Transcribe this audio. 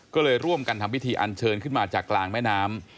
ก็เลยร่วมกันทำพิธีอันเชิญขึ้นมาจากกลางแม่น้ำ